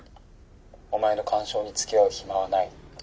お前の感傷につきあう暇はない。